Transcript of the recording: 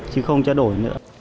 chứ không cho đổi nữa